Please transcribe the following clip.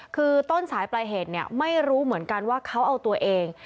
คือต้นสายปลายเหตุเนี่ยไม่รู้เหมือนกันว่าเขาเอาตัวเอง